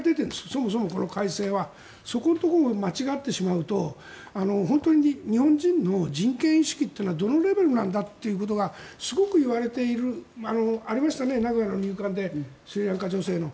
そもそもこの改正は。そこのところを間違ってしまうと本当に日本人の人権意識はどのレベルなのかがすごくいわれているありましたね、名古屋の入管でスリランカ女性の。